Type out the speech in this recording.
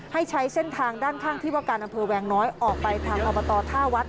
ให้ใช้เส้นทางด้านข้างที่ว่าการอำเภอแวงน้อยออกไปทางอบตท่าวัด